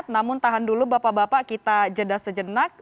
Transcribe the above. namun tahan dulu bapak bapak kita jeda sejenak